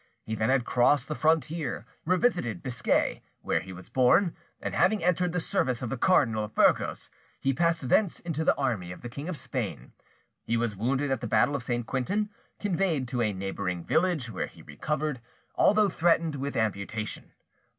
He then had crossed the frontier, revisited Biscay, where he was born, and having entered the service of the Cardinal of Burgos, he passed thence into the army of the King of Spain. He was wounded at the battle of St. Quentin, conveyed to a neighbouring village, where he recovered, although threatened with amputation.